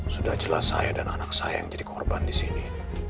sudah jelas saya dan anak saya yang jadi korban di sini